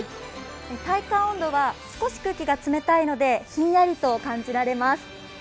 体感温度は少し空気が冷たいので、ひんやりと感じられます。